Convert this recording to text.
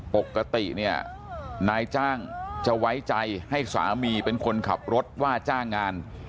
ปกติเนี่ยนายจ้างจะไว้ใจให้สามีเป็นคนขับรถว่าจ้างงาน